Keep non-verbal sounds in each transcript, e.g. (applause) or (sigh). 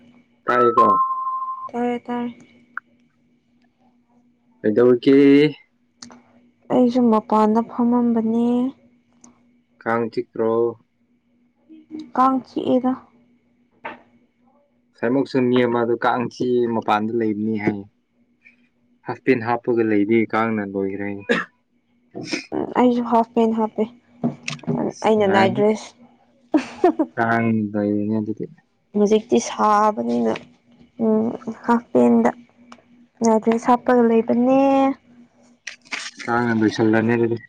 ꯎꯝ ꯇꯥꯏꯌꯦꯀꯣ ꯇꯔꯦ ꯇꯔꯦ ꯀꯩꯗꯧꯔꯤꯒꯦ ꯑꯩꯁꯨ ꯃꯄꯥꯟꯗ ꯐꯝꯃꯝꯕꯅꯦ ꯀꯥꯡ ꯆꯤꯛꯇ꯭ꯔꯣ ꯀꯥꯡ ꯆꯤꯛꯏꯗ ꯁꯥꯏꯃꯛꯁꯨ ꯃꯤ ꯑꯃꯗ ꯀꯥꯡꯁꯤ ꯃꯄꯥꯟꯗ ꯂꯩꯕꯅꯤ ꯍꯥꯏꯌꯦ ꯍꯥꯞꯄꯤꯟ ꯍꯥꯞꯄꯒ ꯂꯩꯕꯤ ꯀꯥꯡꯅ ꯂꯣꯏꯈ꯭ꯔꯦꯅꯤ ꯑꯩꯁꯨ ꯍꯥꯐꯄꯦꯟ ꯍꯥꯞꯄꯦ ꯑꯩꯅ ꯅꯥꯏꯠ ꯗ꯭ꯔꯦꯁ ꯍꯥꯡꯗꯅꯦꯗꯤ ꯑꯗꯨꯗꯤ ꯍꯧꯖꯤꯛꯇꯤ ꯁꯥꯕꯅꯤꯅ ꯍꯥꯐꯄꯦꯟꯗ ꯅꯥꯏ꯭ꯠ ꯗꯔ꯭ꯦꯁ ꯍꯥꯞꯄꯒ ꯂꯩꯕꯅꯦ ꯀꯥꯡꯅꯥ ꯂꯣꯏꯁꯤꯟꯂꯅꯤ ꯑꯗꯨꯗꯤ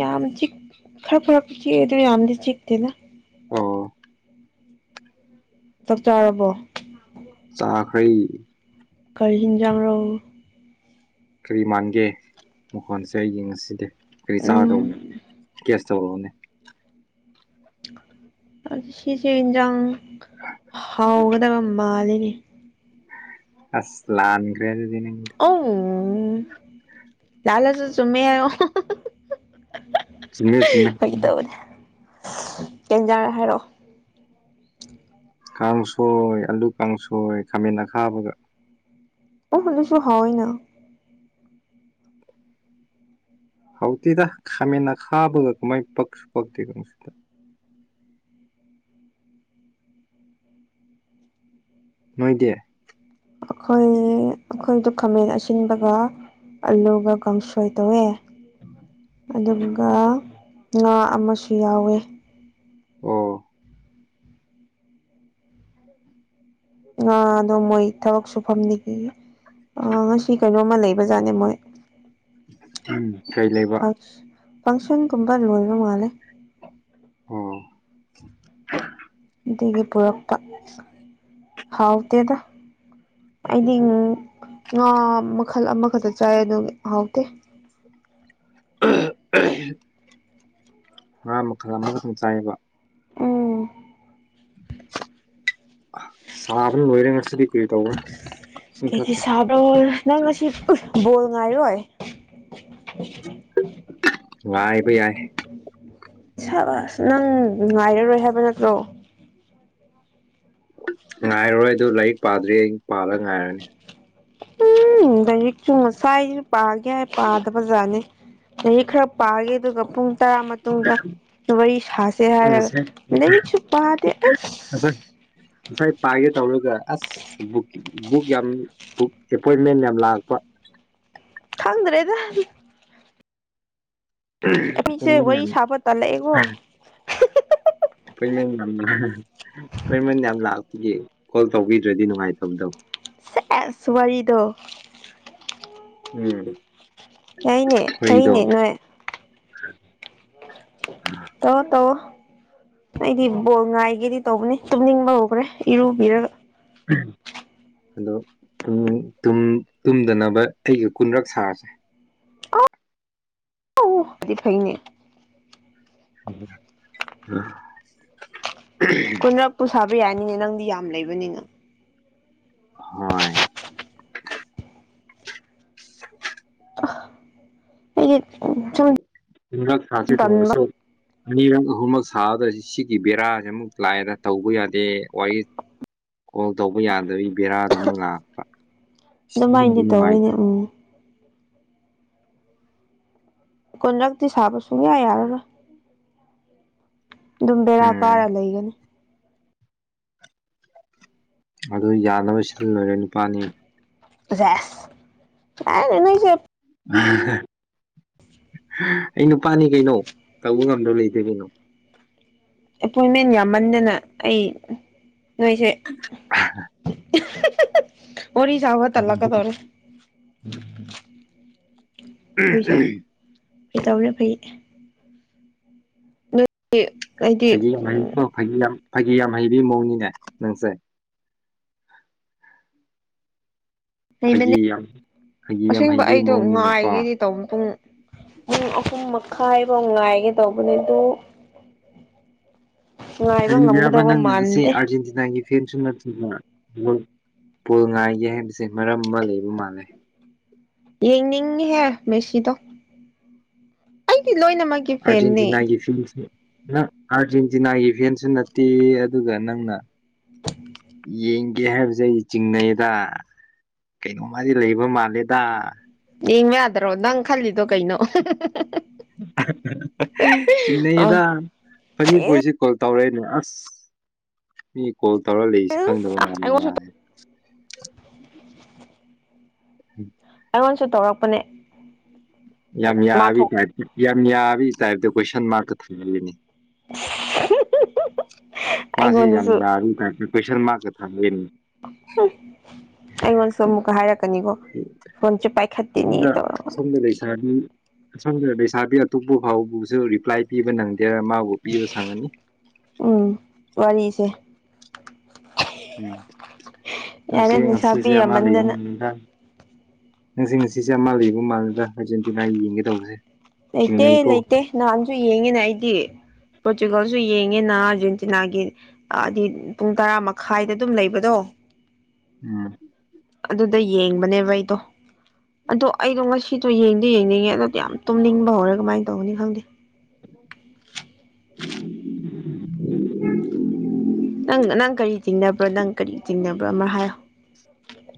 ꯌꯥꯝ ꯆꯤꯛ ꯈꯔ ꯈꯔ ꯆꯤꯛ ꯑꯗꯨ ꯌꯥꯝꯗꯤ ꯆꯤꯛꯇꯦꯅ ꯑꯣ (inaudible) ꯆꯥꯛ ꯆꯥꯔꯕꯣ ꯆꯥꯈꯔ꯭ꯦ ꯀꯣꯏ ꯍꯤꯟꯖꯥꯡꯔꯣꯎ ꯀꯔꯤ ꯃꯥꯟꯒꯦ ꯃꯈꯣꯟꯁꯦ ꯑꯩ ꯌꯦꯡꯉꯁꯤꯗꯤ ꯀꯔꯤ ꯎꯝ ꯆꯥꯗꯧꯕ ꯃꯥꯟꯒꯦ ꯇꯧꯑꯣꯅꯦ ꯎ ꯑꯁꯤꯁꯦ ꯏꯟꯁꯥꯡ ꯍꯥꯎꯒꯗꯕ ꯃꯥꯜꯂꯤꯅꯦ ꯑꯁ ꯂꯥꯟꯒ꯭ꯔꯦ ꯑꯗꯨꯗꯤ ꯅꯪꯗꯤ ꯑ ꯂꯥꯟꯂꯁꯨ ꯆꯨꯃꯦ ꯍꯥꯏꯌꯨ ꯆꯨꯝꯃꯦ ꯆꯨꯝꯃꯦ ꯐꯥꯒꯤ ꯇꯧꯕꯅꯦ ꯀꯩ ꯌꯦꯟꯖꯡ ꯍꯥꯏꯔꯣ ꯀꯥꯡꯁꯣꯏ ꯑꯂꯨ ꯀꯥꯡꯁꯣꯏ ꯈꯥꯃꯦꯟ ꯑꯈꯥꯕꯒ ꯑꯣ ꯑꯗꯨꯁꯨ ꯍꯥꯎꯏꯅꯥ (inaudible) ꯍꯥꯎꯇꯤꯗ ꯈꯥꯃꯟꯅ ꯈꯥꯕꯒ ꯀꯃꯥꯏ ꯄꯛꯁꯨ ꯄꯛꯇꯦ ꯀꯁꯤꯗ (inaudible) ꯅꯣꯏꯗꯤ ꯑꯩꯈꯣꯏ ꯑꯩꯈꯣꯏꯗꯣ ꯈꯥꯃꯦꯟ ꯑꯁꯤꯟꯕꯒ ꯑꯜꯂꯨꯒꯥ ꯀꯪꯁꯣꯏ ꯇꯧꯋꯦ ꯑꯗꯨꯒ ꯉꯥ ꯑꯃꯁꯨ ꯌꯥꯎꯋꯦ ꯑꯣ (inaudible) ꯑ ꯑꯗꯣ ꯃꯣꯏ ꯊꯕꯛ ꯁꯨꯐꯝꯅꯤ ꯑ ꯉꯁꯤ ꯀꯩꯅꯣ ꯑꯃ ꯂꯩꯕꯖꯥꯠꯅꯦ ꯃꯣꯏ ꯎꯝ ꯐꯩ ꯂꯩꯕ ꯐꯪꯁꯟꯒꯨꯝꯕ ꯂꯣꯏꯕ ꯃꯥꯜꯂꯦ ꯑꯣ ꯅꯤꯇꯤꯒꯤ ꯄꯨꯔꯛꯄ ꯍꯥꯎꯇꯦꯗ ꯑꯩꯗꯤ ꯉꯥ ꯃꯈꯜ ꯑꯃꯈꯛꯇ ꯆꯥꯏ ꯑꯗꯨꯒꯤ ꯍꯥꯎꯇꯦ (unintelligible) ꯑ ꯑ ꯉꯥ ꯃꯈꯜ ꯑꯃꯈꯛꯇꯪ ꯆꯥꯏꯌꯦꯕ ꯎꯝ ꯁꯥꯕꯅ ꯂꯣꯏꯔꯦ ꯉꯁꯤꯗꯤ ꯀꯔꯤ ꯇꯧꯕ꯭ꯔ ꯏꯁꯤꯡ ꯊꯛꯀꯦ ꯑꯣ ꯅꯪ ꯉꯁꯤ ꯕꯣꯜ ꯉꯥꯏꯔꯣꯏ ꯉꯥꯏꯕ ꯌꯥꯏ ꯁꯥꯕꯁ ꯅꯪ ꯉꯥꯏꯔꯔꯣꯏ ꯍꯥꯏꯕ ꯅꯠꯇ꯭ꯔꯣ ꯉꯥꯏꯔꯔꯣꯏ ꯑꯗꯨ ꯂꯥꯏꯔꯤꯛ ꯄꯥꯗ꯭ꯔꯤ ꯑꯩ ꯄꯥꯔ ꯉꯥꯏꯔꯅꯤ ꯎꯝ ꯂꯥꯏꯔꯤꯛꯁꯨ ꯉꯁꯥꯏ ꯄꯥꯒꯦ ꯍꯥꯏꯔ ꯄꯥꯗꯕ ꯖꯥꯠꯅꯤ ꯂꯥꯏꯔꯤꯛ ꯈꯔ ꯄꯥꯒꯦ ꯑꯥꯥꯗꯨꯒꯥ ꯄꯨꯡ ꯇꯔꯥ ꯃꯇꯨꯡꯗ ꯋꯥꯔꯤ ꯁꯥꯁꯦ ꯍꯥꯏꯔꯒ ꯉꯁꯥꯏ ꯂꯥꯏꯔꯤꯛꯁꯨ ꯄꯥꯗꯦ ꯑꯁ ꯉꯁꯥꯏ ꯉꯁꯥꯏ ꯄꯥꯏꯒꯦ ꯇꯧꯔꯒ ꯑꯁ ꯕꯨꯛꯀꯤ ꯕꯨꯛ ꯌꯥꯝ ꯕꯨꯛ ꯑꯦꯄꯣꯏꯟꯃꯦꯟ ꯌꯥꯝ ꯂꯥꯛꯄ ꯈꯪꯗ꯭ꯔꯦꯗ ꯑꯩꯈꯣꯅꯤꯁꯦ ꯑꯦꯄꯣꯏꯟꯃꯦꯟ ꯋꯥꯔꯤ ꯌꯥꯝ ꯁꯕ ꯇꯜꯂꯛꯑꯦ ꯒꯣ ꯑꯩꯄꯣꯏꯟꯃꯦꯟ ꯌꯥꯝ ꯂꯥꯛ ꯑꯩꯄꯣꯏꯟꯃꯦꯟ ꯌꯥꯝ ꯂꯥꯛꯄꯒꯤ ꯀꯣꯜ ꯇꯧꯕꯤꯗ꯭ꯔꯗꯤ ꯅꯨꯡꯉꯥꯏꯇꯕꯗꯧ ꯁꯦꯁ ꯋꯥꯔꯤꯗꯣ ꯎꯝ ꯌꯥꯏꯅꯦ ꯐꯩꯅꯦ ꯑꯩꯗꯣ ꯇꯧꯑꯣ ꯇꯧꯑꯣ ꯑꯩꯗꯤ ꯕꯣꯜ ꯉꯥꯏꯒꯦꯗꯤ ꯇꯧꯕꯅꯤ ꯇꯨꯝꯅꯤꯡꯕ ꯍꯧꯈ꯭ꯔꯦ ꯏꯔꯨꯕꯤꯔꯒ ꯑꯗꯣ ꯇꯨꯝ ꯇꯨꯝꯗꯅꯕ ꯑꯩꯒ ꯀꯨꯟꯔꯛ ꯁꯥꯔꯁꯦ ꯑꯣ ꯑꯗꯨꯏ ꯐꯩꯅꯦ ꯎꯝ ꯀꯨꯟꯔꯛꯄꯨ ꯁꯥꯕ ꯌꯥꯅꯤꯅꯦ ꯅꯪꯗꯤ ꯌꯥꯝ ꯂꯩꯕꯅꯤꯅ ꯍꯣꯏ ꯑꯩꯒꯤ ꯆꯨꯝ ꯀꯨꯟꯔꯛ ꯁꯥꯁꯤ ꯊꯣꯡꯉ ꯁꯣ ꯑꯅꯤꯔꯛ ꯑꯍꯨꯝꯂꯛ ꯁꯥꯕꯗ ꯁꯤꯒꯤ ꯕꯦꯔꯥꯁꯦ ꯑꯃꯨꯛ ꯂꯥꯛꯑꯦꯅ ꯇꯧꯕ ꯌꯥꯗꯦ ꯋꯥꯔꯤ ꯀꯣꯜ ꯇꯧꯕ ꯌꯥꯗꯕꯤ ꯕꯦꯔꯥꯗꯨꯃ ꯂꯥꯛꯄ ꯑꯗꯨꯃꯥꯏꯅꯗꯤ ꯇꯧꯋꯤꯅꯦ ꯅꯨꯡꯉꯥꯏꯇ꯭ꯔꯦ ꯎꯝ ꯀꯟꯔꯛꯇꯤ ꯁꯥꯕ ꯁꯨꯡꯌꯥ ꯌꯥꯔꯔꯣꯏ ꯑꯗꯨꯝ ꯕꯦꯔꯥ ꯎꯝ ꯀꯥꯔ ꯂꯩꯒꯅꯤ ꯑꯗꯨ ꯌꯥꯅꯕ ꯁꯤꯜꯂꯣꯏꯔꯦ ꯅꯨꯄꯥꯅꯤ ꯖꯦꯁ ꯇꯥꯏ ꯅꯣꯏꯁꯦ ꯑꯩ ꯅꯨꯄꯥꯅꯤ ꯀꯩꯅꯣ ꯇꯧꯕ ꯉꯝꯗꯕ ꯂꯩꯇꯦ ꯀꯩꯅꯣ ꯑꯦꯄꯣꯏꯟꯃꯦꯟ ꯌꯥꯝꯃꯟꯗꯅ ꯑꯩ ꯅꯣꯏꯁꯦ ꯑꯣꯔꯤ ꯁꯥꯥꯕ ꯇꯜꯂꯛꯀꯗꯣꯔꯦ ꯑꯩꯁꯨ ꯀꯩꯇꯧꯔ ꯐꯩ ꯅꯣꯏ ꯑꯩꯗꯤ ꯐꯥꯒꯤ ꯌꯥꯝ ꯍꯩꯕ ꯐꯥꯒꯤ ꯌꯥꯝ ꯐꯥꯒꯤ ꯌꯥꯝ ꯍꯩꯕꯤ ꯃꯑꯣꯡꯅꯤꯅꯦ ꯅꯪꯁꯦ ꯂꯩꯕꯅꯦ ꯐꯥꯒꯤ ꯌꯥꯝ ꯐꯥꯒꯤ ꯌꯥꯝ ꯑꯁꯦꯡꯕ ꯍꯩꯕꯤ ꯑꯩꯗꯣ ꯃꯑꯣꯡꯅꯤꯅꯦꯀꯣ ꯉꯥꯏꯒꯗꯤ ꯄꯨꯡ ꯄꯨꯡ ꯑꯍꯨꯝ ꯃꯈꯥꯏꯐꯧ ꯉꯥꯏꯒꯦ ꯇꯧꯕꯅꯦ ꯑꯗꯨ ꯉꯥꯏꯕ ꯀꯔꯤꯒꯤꯔꯕ ꯉꯝꯒꯗꯧꯕ ꯅꯪꯅ ꯉꯥꯁꯤ ꯃꯥꯟꯗꯦ ꯑꯔꯖꯦꯟꯇꯤꯅꯥꯒꯤ__ ꯐꯦꯟ ꯁꯨ ꯅꯠꯇꯅ ꯕꯣ ꯕꯣꯜ ꯉꯥꯏꯒꯦ ꯍꯥꯏꯕꯁꯦ ꯃꯔꯝ ꯑꯃ ꯂꯩꯕ ꯃꯥꯜꯂꯦ ꯌꯦꯡꯅꯤꯡꯉꯍꯦ ꯃꯦꯁꯤꯗꯣ ꯑꯩꯗꯤ ꯂꯣꯏꯅꯃꯛ__ ꯑꯔꯖꯦꯟꯇꯤꯅꯥꯒꯤ ꯐꯤꯁ (inaudible) ꯑꯥꯔꯖꯦꯟꯇꯤꯅꯥꯒꯤ ꯐꯦꯟꯁꯨ ꯅꯠꯇꯦ ꯑꯗꯨꯒ ꯅꯪꯅ (inaudible) ꯌꯦꯡꯒꯦ ꯍꯥꯏꯕꯁꯦ ꯑꯩ ꯆꯤꯡꯅꯩꯗ ꯀꯩꯅꯣꯃꯗꯤ ꯂꯩꯕ ꯃꯥꯜꯂꯦꯗ ꯌꯦꯡꯕ ꯌꯥꯗ꯭ꯔꯣ ꯅꯪ ꯈꯜꯂꯤꯗꯣ ꯀꯩꯅꯣ ꯑ ꯆꯤꯡꯅꯩꯗ ꯐꯅꯤꯄꯨꯔꯁꯤ ꯀꯣꯜ ꯇꯧꯔꯛꯏꯅꯦ ꯑꯁ ꯃꯤ ꯀꯣꯜ ꯇꯧꯔ ꯂꯩꯏꯁꯦ ꯈꯪꯗꯕ ꯃꯥꯜꯂꯦ ꯃꯥ ꯑꯩꯉꯣꯟꯁꯨ ꯑꯩꯉꯣꯟꯁꯨ ꯇꯧꯔꯛꯄꯅꯦ ꯌꯥꯝ ꯃꯥ ꯌꯥꯕꯤ ꯊꯣꯛ ꯇꯥꯏꯞꯇ ꯌꯥꯝ ꯌꯥꯕꯤ ꯇꯥꯏꯞꯇ ꯀꯣꯏꯁꯟ ꯃꯥꯔꯛꯀ ꯊꯝꯖꯜꯂꯤꯅꯤ (unintelligible) ꯃꯥꯁꯤ ꯌꯥꯝ ꯑꯩꯉꯣꯟꯗꯁꯨ ꯌꯥꯔꯤ ꯇꯥꯏꯞꯁ ꯀꯣꯏꯁꯟ ꯃꯥꯔꯛꯇ ꯊꯝꯃꯤꯅꯤ ꯑꯩꯉꯣꯟꯁꯨ ꯑꯃꯨꯛꯀ ꯍꯔꯔꯛ ꯍ (unintelligible) ꯇꯧꯔꯒ ꯑꯁꯣꯝꯗ ꯂꯩꯁꯥꯕꯤ ꯑꯁꯣꯝꯗ ꯂꯩꯁꯥꯕꯤ ꯑꯇꯣꯞꯄ ꯐꯥꯎꯕꯁꯨ ꯔꯤꯄ꯭ꯂꯥꯏ ꯄꯤꯕ ꯅꯪꯗꯦꯕ ꯃꯥꯕꯨ ꯄꯤꯕ ꯁꯥꯡꯉꯅꯤ ꯎꯝ ꯋꯥꯔꯤꯁꯦ ꯎꯝ ꯉꯁꯤ ꯌꯥꯔꯦ ꯉꯁꯤꯁꯦ ꯂꯩꯁꯥꯕꯤ ꯑꯃ ꯌꯥꯝꯃꯟꯗꯅ ꯂꯩꯕꯗ ꯅꯪꯁꯤ ꯉꯁꯤꯁꯦ ꯑꯃ ꯂꯩꯕ ꯃ ꯃꯥꯜꯂꯦꯗ ꯑꯥꯔꯖꯦꯟꯇꯤꯅꯥ ꯌꯦꯡꯒꯦ ꯇꯧꯕꯁꯦ ꯂꯩꯇꯦ ꯆꯤꯡꯅꯩꯀꯣ ꯂꯩꯇꯦ ꯅꯍꯥꯟꯁꯨ ꯌꯦꯡꯉꯤꯅꯦ ꯑꯩꯗꯤ ꯄꯣꯔꯇꯨꯒꯥꯜꯁꯨ ꯌꯦꯡꯉꯦꯅ ꯑꯥꯔꯖꯦꯟꯇꯤꯅꯥꯒꯤ ꯑꯗꯤ ꯄꯨꯡ ꯇꯔꯥ ꯃꯈꯥꯏꯗ ꯑꯗꯨꯝ ꯂꯩꯕꯗꯣ ꯎꯝ ꯑꯗꯨꯗ ꯌꯦꯡꯕꯅꯦꯕ ꯑꯩꯗꯣ ꯑꯗꯣ ꯑꯩꯗꯣ ꯉꯁꯤ ꯁꯤꯁꯨ ꯌꯦꯡꯗꯤ ꯌꯦꯡꯅꯤꯡꯉꯦ ꯑꯗꯨꯗꯤ ꯌꯥꯝ ꯇꯨꯝꯅꯤꯡꯕ ꯍꯧꯔꯦ ꯀꯃꯥꯏꯅ ꯇꯧꯒꯅꯤ ꯈꯪꯗꯦ (unintelligible) ꯅꯪ ꯅꯪ ꯀꯔꯤ ꯆꯤꯡꯅꯕ꯭ꯔꯥ ꯅꯪ ꯀꯔꯤ ꯆꯤꯡꯅꯕ꯭ꯔꯥ ꯑꯃ ꯍꯥꯏꯌꯣ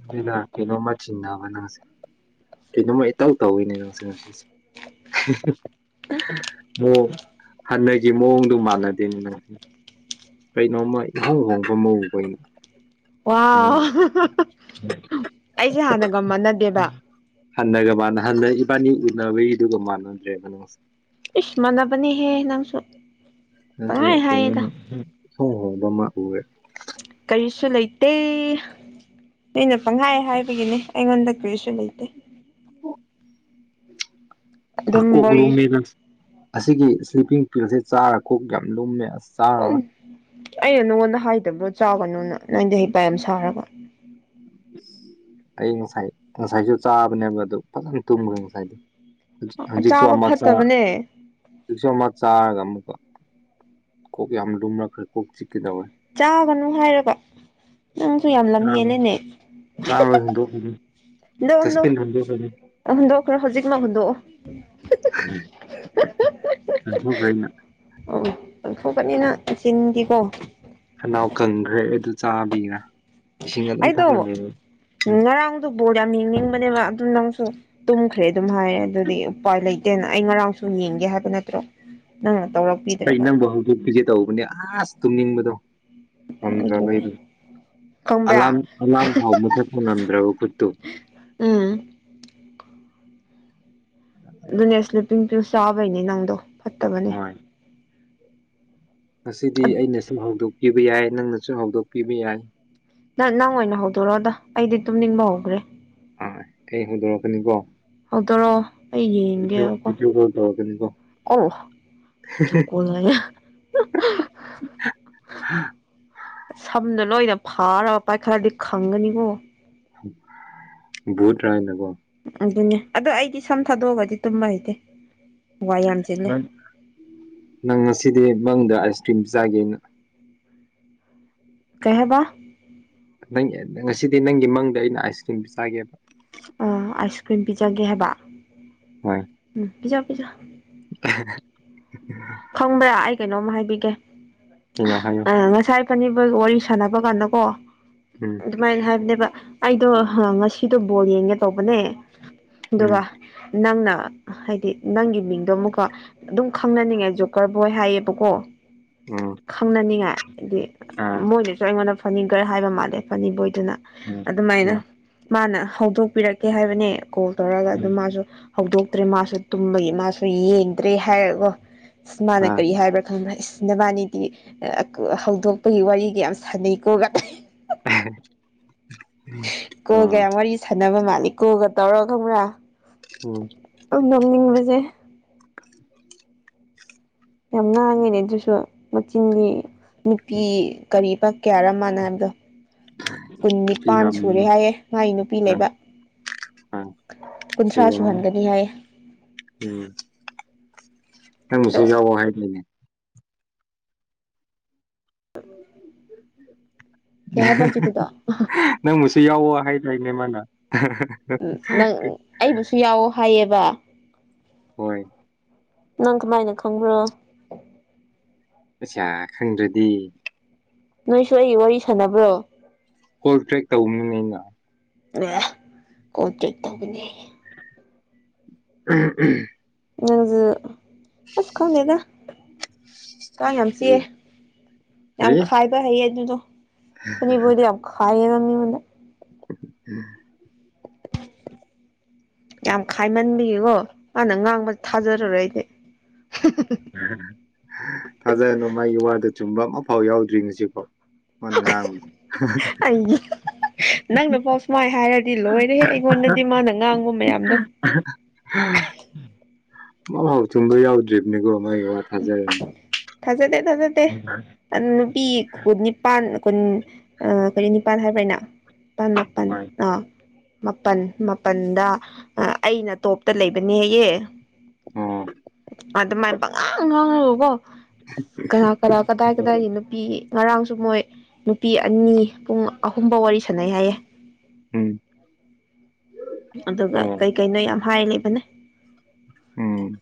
ꯑꯗꯨꯅ ꯀꯩꯅꯣꯝꯃ ꯆꯤꯡꯅꯕ ꯅꯪꯁꯦ ꯀꯩꯅꯣꯝꯃ ꯏꯇꯧ ꯇꯧꯋꯤꯅꯦ ꯅꯪꯁꯦ ꯉꯁꯤꯁꯦ (unintelligible) ꯑꯣ ꯍꯥꯟꯅꯒꯤ ꯃꯑꯣꯡꯗꯨ ꯃꯥꯟꯅꯗꯦꯅꯤ ꯅꯪ ꯀꯩꯅꯣꯝꯃ ꯏꯍꯣꯡ ꯍꯣꯡꯕ ꯃꯣꯡ ꯎꯕꯩ ꯋꯥ ꯑꯩꯁꯦ ꯍꯥꯟꯅꯒ ꯃꯟꯅꯗꯦꯕ ꯍꯟꯅꯒ ꯃꯥꯟꯅ ꯍꯟꯅ ꯏꯕꯥꯅꯤ ꯎꯅꯕꯒꯤꯗꯨꯒ ꯃꯥꯟꯅꯗ꯭ꯔꯦꯕ ꯅꯪꯁ ꯏꯁ ꯃꯟꯅꯥꯕꯅꯤ ꯍꯦ ꯅꯪꯁꯨ ꯅꯪꯁꯦ ꯄꯪꯍꯥꯏ ꯍꯥꯏꯌꯦꯗ ꯀꯩꯅꯣꯅꯦ ꯏꯍꯣꯡ ꯍꯣꯡꯕ ꯑꯃ ꯎꯔꯦ ꯀꯔꯤꯁꯨ ꯂꯩꯇꯦ ꯑꯩꯅ ꯄꯪꯍꯥꯏ ꯍꯥꯏꯕꯒꯤꯅꯦ ꯑꯩꯉꯣꯟꯗ ꯀꯨꯔꯤꯁꯨ ꯂꯩꯇꯦ ꯑ ꯑꯗꯨꯝ ꯀꯣꯛ ꯋꯥꯔꯤ ꯂꯨꯝꯃꯦ ꯑꯁꯤꯒꯤ ꯁ꯭ꯂꯤꯞꯄꯤꯡ ꯄꯤꯜꯁꯦ ꯆꯥꯔ ꯀꯣꯛ ꯌꯥꯝ ꯂꯨꯝꯃꯦ ꯑꯁ ꯆꯥꯔꯔꯣꯏ ꯎꯝ ꯑꯩꯅ ꯅꯉꯣꯟꯗ ꯍꯥꯏꯗꯕꯔꯣ ꯆꯥꯎꯒꯅꯨꯅ ꯅꯪꯗꯤ ꯍꯩꯄꯥ ꯌꯥꯝ ꯁꯥꯔꯒ ꯑꯩ ꯉꯁꯥꯏ ꯉꯁꯥꯏꯁꯨ ꯆꯥꯕꯅꯦꯕ ꯑꯗꯨ ꯐꯖꯅ ꯇꯨꯝꯈ꯭ꯔꯦ ꯉꯁꯥꯏꯗꯤ ꯍꯪꯖꯤꯁꯨ ꯆꯥꯕ ꯑꯃ ꯐꯠꯇꯕꯅꯦ ꯍꯧꯖꯤꯛꯁꯨ ꯑꯃ ꯆꯥꯔꯒ ꯑꯃꯨꯛꯀ ꯀꯣꯛ ꯌꯥꯝ ꯂꯨꯝꯂꯛꯈ꯭ꯔꯦ ꯀꯣꯛ ꯆꯤꯛꯀꯗꯧꯋꯦ ꯆꯥꯕꯅꯨ ꯍꯥꯏꯔꯒ ꯅꯪꯁꯨ ꯌꯥꯝ ꯂꯝꯍꯦꯜꯂꯦꯅꯦ ꯆꯥꯔꯣꯢ ꯍꯨꯟꯗꯣꯛꯈꯤꯒꯦ ꯍꯨꯗꯣꯛ ꯍꯨꯗꯣꯛ ꯍꯧꯖꯤꯛꯃꯛ ꯍꯟꯗꯣꯛꯑꯣ ꯂꯪꯊꯣꯛꯈ꯭ꯔꯦ ꯑꯩꯅ ꯑꯣ ꯂꯪꯊꯣꯛꯀꯅꯤ ꯅꯪ ꯅꯆꯤꯟꯗꯤꯀꯣ ꯈꯥꯅꯥꯎ ꯀꯪꯈ꯭ꯔꯦ ꯑꯗꯨ ꯆꯥꯕꯒꯤꯔ ꯏꯁꯤꯡ ꯑꯗꯨꯝ ꯑꯩꯗꯣ ꯊꯛꯂ ꯂꯩꯔꯦ ꯉꯔꯥꯡꯗꯣ ꯕꯣꯜ ꯌꯥꯝ ꯌꯦꯡꯅꯤꯡꯕꯅꯦꯕ ꯑꯗꯨ ꯅꯪꯁꯨ ꯇꯨꯝꯈ꯭ꯔꯦ ꯑꯗꯨꯝ ꯍꯥꯏꯌꯦ ꯑꯗꯨꯗꯤ ꯎꯄꯥꯏ ꯂꯩꯇꯦꯅ ꯑꯩ ꯉꯔꯥꯡꯁꯨ ꯌꯦꯡꯒꯦ ꯍꯥꯏꯕ ꯅꯠꯇ꯭ꯔꯣ ꯅꯪꯅ ꯑꯩ ꯇꯧꯔꯛꯄꯤꯗ꯭ꯔꯕ ꯅꯪꯕꯨ ꯍꯧꯗꯣꯛꯄꯤꯒꯦ ꯇꯧꯕꯅꯦ ꯑꯁ ꯇꯨꯝꯅꯤꯡꯕꯗꯣ ꯉꯝꯗ꯭ꯔꯕ ꯑꯗꯨꯅꯦ ꯑꯩꯗꯣ ꯈꯪꯕ꯭ꯔꯥ ꯑꯦꯂꯥꯝ ꯐꯥꯎ ꯃꯨꯊꯠꯄ ꯉꯝꯗ꯭ꯔꯕ ꯈꯨꯠꯇꯨ ꯎꯝ ꯑꯗꯣ ꯑꯗꯨꯅꯦ (unintelligible) ꯆꯥꯕꯩꯅꯦ ꯅꯪꯗꯣ ꯐꯠꯇꯕꯅꯦ ꯍꯣꯏ ꯉꯁꯤꯗꯤ ꯑꯩꯅ ꯁꯨꯝ ꯍꯧꯗꯣꯛꯄꯤꯕ ꯌꯥꯏ ꯅꯪꯅ ꯁꯨ ꯍꯧꯗꯣꯛꯄꯤꯕ ꯌꯥꯏ ꯅꯪ ꯅꯪ ꯑꯣꯏꯅ ꯍꯧꯗꯣꯔꯛꯑꯣꯗ ꯑꯩꯗꯤ ꯇꯨꯝꯅꯤꯡꯕ ꯍꯧꯈ꯭ꯔꯦ ꯍꯣꯢ ꯊꯦꯡꯅ ꯍꯧꯗꯣꯛꯔꯛꯀꯅꯤꯀꯣ ꯍꯧꯗꯣꯛꯔꯛꯑꯣ ꯑꯩ ꯌꯦꯡꯒꯦꯕꯀꯣ ꯚꯤꯗꯤꯑꯣ ꯀꯣꯜ ꯇꯧꯔꯛꯀꯅꯤꯀꯣ (unintelligible) (unintelligible) (unintelligible) ꯁꯝꯗꯣ ꯂꯣꯏꯅ ꯐꯥꯔꯕ ꯄꯥꯏꯈ꯭ꯔꯗꯤ ꯈꯪꯒꯅꯤꯀꯣ ꯕꯨꯠ ꯔꯅꯀꯣ ꯑꯗꯨꯅꯦ ꯑꯗꯣ ꯑꯩꯗꯤ ꯁꯝ ꯊꯥꯗꯣꯛꯑꯒꯗꯤ ꯇꯨꯝꯕ ꯍꯩꯇꯦ ꯋꯥꯏ ꯌꯥꯝ ꯆꯤꯜꯂꯦ ꯅꯪ ꯅꯪ ꯉꯁꯤꯗꯤ ꯃꯪꯗ ꯑꯥꯏꯁ ꯀ꯭ꯔꯤꯝ ꯆꯥꯒꯦꯅ ꯎꯝꯝꯝ (inaudible) ꯀꯩ ꯍꯥꯢꯕ ꯅꯪ ꯉꯁꯤꯗꯤ ꯅꯪꯒꯤ ꯃꯪꯗ ꯑꯩꯅ ꯑꯥꯏꯁ ꯀ꯭ꯔꯤꯝ ꯄꯤꯖꯒꯦꯕ ꯑꯥ ꯑꯥꯏꯁ ꯀ꯭ꯔꯤꯝ ꯄꯤꯖꯒꯦ ꯍꯥꯏꯕ ꯍꯣꯏ ꯎꯝ ꯄꯤꯖꯧ ꯄꯤꯖꯧ (unintelligible) ꯎ (inaudible) ꯈꯪꯕ꯭ꯔꯥ ꯑꯩ ꯀꯩꯅꯣꯝ ꯍꯥꯏꯕꯤꯒꯦ ꯍꯥꯏꯌꯣ ꯍꯥꯏꯌꯣ ꯑ ꯉꯁꯥꯏ ꯢꯕꯥꯅꯤ ꯋꯥꯔꯤ ꯁꯥꯟꯅꯕ ꯀꯥꯟꯗ ꯀꯣ ꯎꯝ ꯑꯗꯨꯃꯥꯏꯅ ꯍꯥꯏꯕꯅꯦꯕ ꯑꯩꯗꯣ ꯉꯁꯤꯗꯣ ꯕꯣꯜ ꯌꯦꯡꯒꯦ ꯇꯧꯕꯅꯦ ꯎꯝ ꯑꯗꯨꯒ ꯅꯪꯅ ꯍꯥꯏꯗꯤ ꯅꯪꯒꯤ ꯃꯤꯡꯗꯣ ꯑꯃꯨꯛꯀꯣ ꯑꯗꯨꯝ ꯈꯪꯅꯅꯤꯡꯉꯥꯏ ꯖꯣꯀꯔ ꯕꯣꯏ ꯍꯥꯏꯌꯦꯕꯀꯣ ꯎꯝ ꯈꯪꯅꯅꯤꯡꯉꯥꯏ ꯍꯥꯏꯗꯤ ꯑꯥ ꯃꯣꯏꯅꯁꯨ ꯑꯩꯉꯣꯟꯗ ꯐꯅꯤꯒꯔ ꯍꯥꯏꯕ ꯃꯥꯜꯂꯦ ꯐꯅꯤꯕꯣꯏꯗꯨꯅ ꯎꯝ ꯑꯗꯨꯃꯥꯏꯅ ꯎꯝ ꯃꯥꯅ ꯍꯧꯗꯣꯛꯄꯤꯔꯛꯀꯦ ꯍꯥꯏꯕꯅꯦ ꯀꯣꯜ ꯇꯧꯔꯒ ꯑꯗꯨꯝ ꯎꯝ ꯃꯥꯁꯨ ꯍꯧꯗꯣꯛꯇ꯭ꯔꯦ ꯃꯥꯁꯨ ꯇꯨꯝꯕꯒꯤ ꯃꯥꯁꯨ ꯌꯦꯡꯗ꯭ꯔꯦ ꯍꯥꯏꯔꯒ ꯑꯁ ꯃꯥꯅ ꯑꯥ ꯀꯔꯤ ꯍꯥꯏꯕ꯭ꯔꯥ ꯈꯪꯗꯦ ꯅꯕꯥꯅꯤꯗꯤ ꯍꯧꯗꯣꯛꯄꯒꯤ ꯋꯥꯔꯤꯒ ꯌꯥꯝ ꯁꯥꯟꯅꯩꯀꯣ ꯎ ꯎꯝ (unintelligible) ꯀꯣꯜ ꯒ ꯌꯥꯝ ꯋꯥꯔꯤ ꯁꯥꯟꯅꯕ ꯃꯥꯜꯂꯤ ꯀꯣꯜ ꯒ ꯇꯧꯔ ꯈꯪꯕ꯭ꯔꯥ ꯎꯝ ꯗꯨꯝ ꯅꯣꯛꯅꯤꯡꯕꯁꯦ (inaudible) ꯌꯥꯝ ꯉꯥꯡꯉꯦꯅꯦ ꯑꯗꯨꯁꯨ ꯃꯆꯤꯟꯗꯤ ꯅꯨꯄꯤ ꯀꯔꯤꯕ ꯀꯌꯥꯔꯥ ꯃꯥꯥꯅ ꯍꯥꯏꯕꯗꯣ ꯀꯨꯟ ꯅꯤꯄꯥꯟ ꯌꯥꯝ ꯁꯨꯔꯦ ꯍꯥꯏꯌꯦ ꯃꯥꯏ ꯅꯨꯄꯤ ꯑꯥ ꯂꯩꯕ ꯑꯥ ꯀꯨꯟꯊ꯭ꯔꯥ ꯁꯨꯔꯝꯃꯅꯤ ꯁꯨꯍꯟꯒꯅꯤ ꯍꯥꯏꯌꯦ ꯎꯝ (inaudible) ꯑꯗꯣ ꯅꯡꯕꯨꯁꯨ ꯌꯥꯎꯑꯣ ꯍꯥꯏꯕꯩꯅꯦ ꯀꯩ ꯍꯥꯏꯕ ꯍꯧꯖꯤꯛꯀꯤꯗꯣ ꯅꯪꯕꯨꯁꯨ ꯌꯥꯎꯑꯣ ꯍꯥꯏꯗꯥꯏꯅꯦ ꯃꯥꯅ ꯎꯝ ꯅꯪ ꯑꯩꯕꯨꯁꯨ ꯌꯥꯎꯑꯣ ꯍꯥꯏꯌꯦꯕ ꯍꯣꯏ ꯅꯪ ꯀꯃꯥꯏꯅ ꯈꯪꯕ꯭ꯔꯣ ꯑꯁꯥ ꯈꯪꯗ꯭ꯔꯗꯤ ꯅꯣꯏꯁꯨ ꯑꯩꯒꯤ ꯋꯥꯔꯤ ꯁꯥꯟꯅꯕ꯭ꯔꯣ ꯀꯣꯜ ꯇ꯭ꯔꯦꯛ ꯇꯧꯕꯅꯤꯅꯦ ꯑꯩꯅ ꯑ ꯀꯣꯜ ꯇꯔ꯭ꯦꯛ ꯇꯧꯕꯅꯦꯌꯦ (inaudible) ꯅꯪꯖꯨ ꯑꯁ ꯈꯪꯗꯦꯗ ꯀꯥꯡ ꯌꯥꯝ ꯆꯤꯛꯑꯦ ꯌꯥꯝ ꯀꯔꯤ ꯀꯔꯤ ꯈꯥꯏꯕ ꯍꯩꯌꯦ ꯑꯗꯨꯗꯣ ꯐꯅꯤꯕꯣꯏ ꯗꯣꯌꯥꯝ ꯈꯥꯏꯌꯦꯕ ꯃꯤꯉꯣꯟꯗ ꯎꯝ ꯌꯥꯝ ꯈꯥꯏꯃꯟꯕꯤꯒꯤꯒꯣ ꯃꯥꯅ ꯉꯥꯡꯕ ꯊꯥꯖꯔꯔꯣꯏ ꯑꯩꯗꯤ ꯊꯥꯖꯅꯨ ꯃꯥꯒꯤ ꯋꯥꯗꯣ ꯆꯨꯝꯕ ꯑꯃꯐꯥꯎ ꯌꯥꯎꯗ꯭ꯔꯤ ꯉꯁꯤꯐꯥꯎ ꯃꯟꯅ ꯉꯥꯡ ꯎꯝ ꯅꯪꯅ ꯐꯥꯎ ꯁꯨꯃꯥꯏ ꯍꯥꯏꯔꯗꯤ ꯂꯣꯏꯔꯦꯍꯦ ꯑꯩꯉꯣꯟꯗꯗꯤ ꯃꯥꯅ ꯉꯥꯡꯕ ꯃꯌꯥꯝꯗꯣ ꯃꯥ ꯍꯥꯎ ꯊꯨꯝꯕ ꯌꯥꯎꯗ꯭ꯔꯤꯕꯅꯤꯀꯣ ꯃꯥꯒꯤ ꯋꯥ ꯊꯥꯖꯔ ꯊꯥꯖꯗꯦ ꯊꯥꯖꯗꯦ ꯑꯅꯨꯄꯤ ꯀꯨꯟꯅꯤꯄꯥꯟ ꯀꯨꯟ ꯑ ꯀꯔꯤ ꯅꯤꯄꯥꯟ ꯍꯥꯏꯕ ꯑꯩꯅ ꯅꯤꯄꯥꯟ ꯃꯥꯄꯟ ꯍꯣꯏ ꯑꯥ ꯃꯥꯄꯟ ꯃꯥꯄꯟꯗ ꯑꯑꯩꯅ ꯇꯣꯞꯇ ꯂꯩꯕꯅꯦꯌꯦ ꯑꯣ ꯑꯗꯨꯃꯥꯏꯅ ꯄꯉꯥꯡ ꯉꯥꯡꯉꯒꯀꯣ ꯀꯅꯥ ꯀꯅꯥ ꯀꯗꯥꯏ ꯀꯗꯥꯏꯒꯤ ꯅꯨꯄꯤ ꯉꯔꯥꯡꯁꯨ ꯃꯣꯏ ꯅꯨꯄꯤ ꯑꯅꯤ ꯄꯨꯡ ꯑꯍꯨꯝꯕꯧ ꯋꯥꯔꯤ ꯁꯥꯟꯅꯩ ꯍꯥꯏꯌꯦ ꯎꯝ ꯑꯗꯨꯒ ꯑꯣ ꯀꯩ ꯀꯩꯅꯣ ꯌꯥꯝ ꯍꯥꯏ ꯂꯩꯕꯅꯦ ꯎꯝ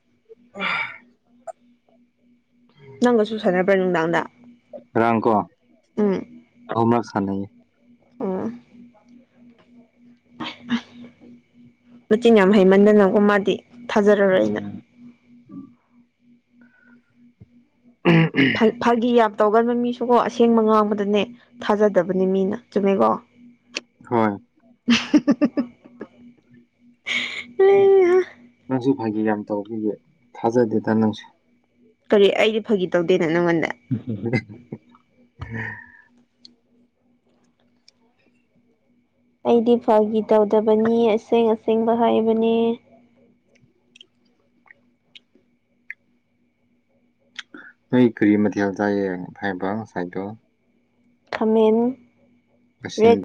(inaudible) ꯅꯪꯒꯁꯨ ꯁꯥꯟꯅꯕ꯭ꯔꯥ ꯅꯨꯡꯗꯥꯡꯗ ꯉꯔꯥꯡ ꯀꯣ ꯎꯝ ꯑꯍꯨꯝꯂꯛ ꯁꯥꯟꯅꯩꯌꯦ ꯎꯝ ꯃꯆꯤꯟ ꯌꯥꯝ ꯍꯩꯃꯟꯗꯅꯒꯣ ꯃꯥꯗꯤ ꯊꯥꯖꯔꯔꯣꯏ ꯑꯩꯅ ꯐꯥ ꯐꯥꯒꯤ ꯌꯥꯝ ꯇꯧꯒꯟꯕ ꯃꯤꯁꯨꯀꯣ ꯑꯁꯦꯡꯕ ꯉꯥꯡꯕꯗꯅꯦ ꯊꯥꯖꯗꯕꯅꯦ ꯃꯤꯅ ꯆꯨꯝꯃꯦꯒꯣ ꯍꯣꯏ (inaudible) ꯎꯝ ꯅꯪꯁꯨ ꯐꯥꯒꯤ ꯌꯥꯝ ꯇꯧꯕꯒꯤ ꯊꯥꯖꯗꯦꯗ ꯅꯪꯁꯦ ꯀꯔꯤ ꯑꯩꯗꯤ ꯐꯥꯒꯤ ꯇꯧꯗꯦꯅ ꯅꯪꯉꯣꯟꯗ (unintelligible) ꯑꯩꯗꯤ ꯐꯥꯒꯤ ꯇꯧꯗꯕꯅꯤ ꯑꯁꯦꯡ ꯑꯁꯦꯡꯕ ꯍꯥꯏꯕꯅꯦ ꯅꯣꯏ ꯀꯔꯤ ꯃꯊꯦꯜ ꯆꯥꯏꯌꯦ ꯍꯥꯏꯕ ꯉꯁꯥꯏꯗꯣ ꯈꯥꯃꯦꯟ ꯑꯁꯤꯟ ꯔꯦꯠ